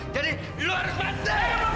jadi lo harus mati